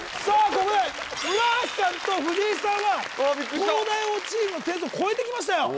ここで村橋さんと藤井さんは東大王チームの点数を超えてきましたよ